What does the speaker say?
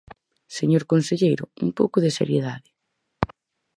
Señor conselleiro, un pouco de seriedade.